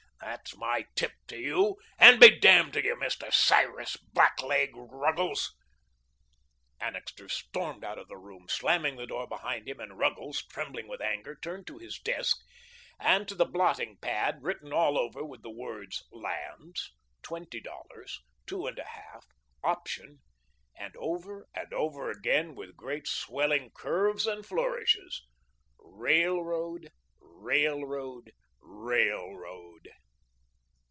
That's my tip to you and be damned to you, Mr. Cyrus Blackleg Ruggles." Annixter stormed out of the room, slamming the door behind him, and Ruggles, trembling with anger, turned to his desk and to the blotting pad written all over with the words LANDS, TWENTY DOLLARS, TWO AND A HALF, OPTION, and, over and over again, with great swelling curves and flourishes, RAILROAD, RAILROAD, RAILROAD.